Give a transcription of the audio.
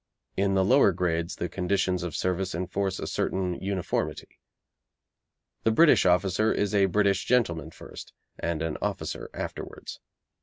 In the lower grades the conditions of service enforce a certain uniformity. The British officer is a British gentleman first, and an officer afterwards.